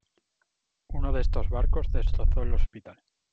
Uno de estos barcos destrozó el hospital.